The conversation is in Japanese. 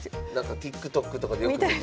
ＴｉｋＴｏｋとかでよく見るような。